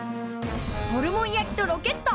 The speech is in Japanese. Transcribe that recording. ホルモン焼きとロケット。